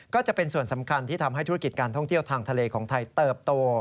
ก็จะเป็นส่วนสำคัญที่ทำให้ธุรกิจการท่องเที่ยวทางทะเลของไทยเติบโต